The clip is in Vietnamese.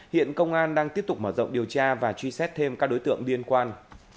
hiện công an đang tiếp tục mở rộng điều tra và truy xét thêm các đối tượng liên quan